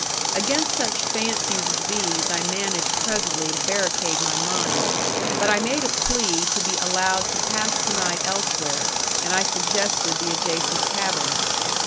Against such fancies as these I managed presently to barricade my mind, but I made a plea to be allowed to pass the night elsewhere, and I suggested the adjacent cabin.